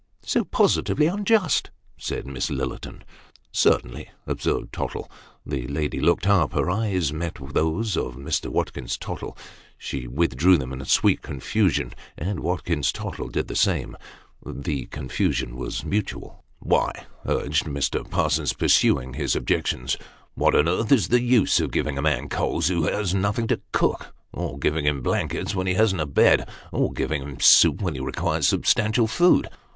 " So positively unjust !" said Miss Lillerton. " Certainly," observed Tottle. The lady looked up ; her eyes met those of Mr. Watkins Tottle. She withdrew them in a sweet con fusion, and Watkins Tottle did the same the confusion was mutual. " Why," urged Mr. Parsons, pursuing his objections, " what on earth is the use of giving a man coals who has nothing to cook, or giving him blankets when he hasn't a bed, or giving him soup when he requires substantial food